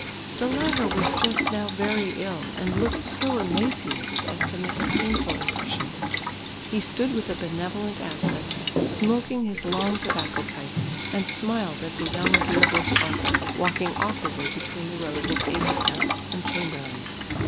The latter was just now very ill, and looked so emaciated as to make a painful impression. He stood with a benevolent aspect, smoking his long tobacco pipe, and smiled at the young beardless author, walking awkwardly between the rows of aide de camps and chamberlains.